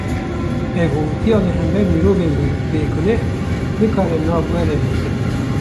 Ev hovîtiya li hember mirovên bêguneh, nikare nav were lê kirin